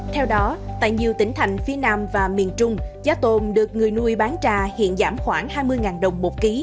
theo đó tại nhiều tỉnh thành phía nam và miền trung giá tôm được người nuôi bán ra hiện giảm khoảng hai mươi đồng một ký